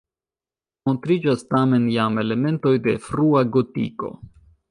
Montriĝas tamen jam elementoj de frua gotiko.